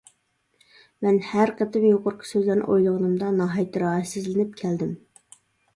مەن ھەر قېتىم يۇقىرىقى سۆزلەرنى ئويلىغىنىمدا، ناھايىتى راھەتسىزلىنىپ كەلدىم.